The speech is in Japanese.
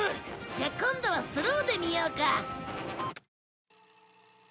じゃあ今度はスローで見ようか。